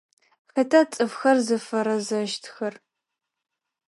Хэта цӏыфхэр зыфэрэзэщтхэр?